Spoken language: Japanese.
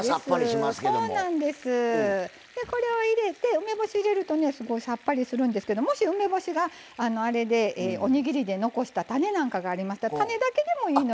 梅干し入れるとねすごいさっぱりするんですけどもし梅干しがあれでおにぎりで残した種なんかがありましたら種だけでもいいので。